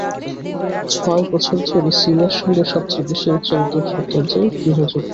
ছয় বছর ধরে সিরিয়ার সঙ্গে সবচেয়ে বেশি উচ্চারিত শব্দ যে গৃহযুদ্ধ।